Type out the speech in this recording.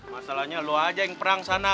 masalahnya lo aja yang perang sana